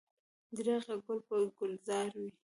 درېغه ګل به د ګلزار وي.